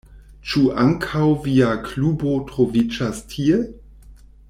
Ĉu ankaŭ via klubo troviĝas tie?